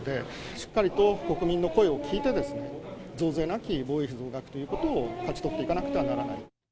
しっかりと国民の声を聞いて、増税なき防衛費増額ということを勝ち取っていかなくてはならない。